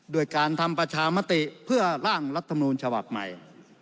ด้วยการทำประชามติเพื่อร่างรัฐมนูลฉบับใหม่